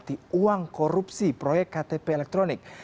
dan menikmati uang korupsi proyek ktp elektronik